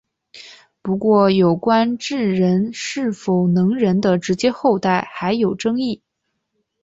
不过有关智人是否能人的直接后代还有争议。